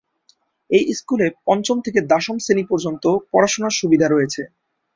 এই স্কুলে পঞ্চম থেকে দ্বাদশ শ্রেণি পর্যন্ত পড়াশোনার সুবিধা রয়েছে।